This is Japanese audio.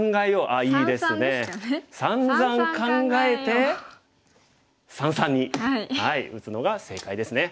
さんざん考えて三々に打つのが正解ですね。